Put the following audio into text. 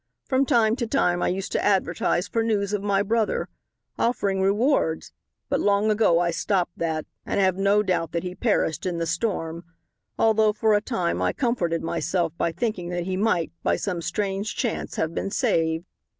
From time to time I used to advertise for news of my brother, offering rewards, but long ago I stopped that, and have no doubt that he perished in the storm, although for a time I comforted myself by thinking that he might, by some strange chance, have been saved.